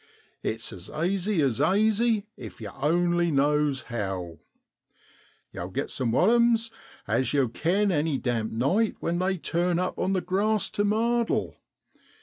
It's as aisy as aisy if yer only knows how. Yow get some worams, as yow kin any damp night when they turn up on the grass tu 'mardle.'